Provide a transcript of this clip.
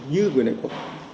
như người này có